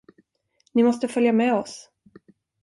Ni måste följa med oss.